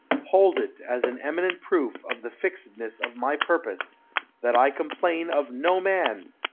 Hold it as an eminent proof of the fixedness of my purpose, that I complain of no man